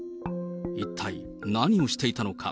一体、何をしていたのか。